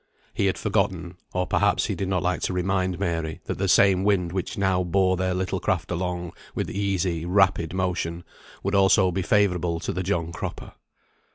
He had forgotten (or perhaps he did not like to remind Mary) that the same wind which now bore their little craft along with easy, rapid motion, would also be favourable to the John Cropper.